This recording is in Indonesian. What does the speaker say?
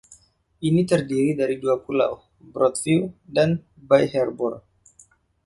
Ini terdiri dari dua pulau: Broadview dan Bay Harbor.